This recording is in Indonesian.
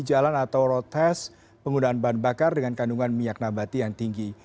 jalan atau road test penggunaan bahan bakar dengan kandungan minyak nabati yang tinggi